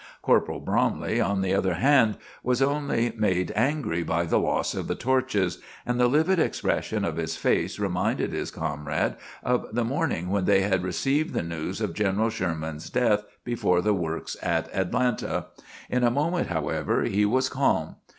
Corporal Bromley, on the other hand, was only made angry by the loss of the torches; and the livid expression of his face reminded his comrade of the morning when they had received the news of General Sherman's death before the works at Atlanta. In a moment, however, he was calm.